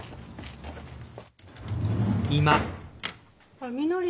あらみのり？